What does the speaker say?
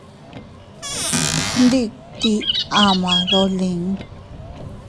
Gnditit ama dolin.